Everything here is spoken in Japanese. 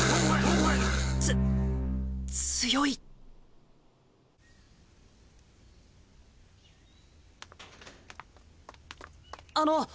つ強いあのっ。